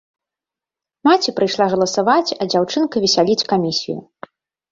Маці прыйшла галасаваць, а дзяўчынка весяліць камісію.